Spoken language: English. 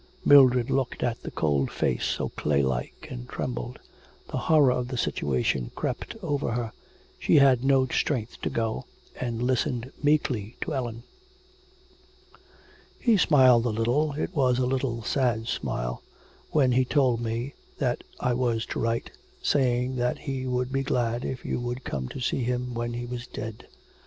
Mildred looked at the cold face, so claylike, and trembled. The horror of the situation crept over her; she had no strength to go, and listened meekly to Ellen. 'He smiled a little, it was a little sad smile, when he told me that I was to write, saying that he would be glad if you would come to see him when he was dead.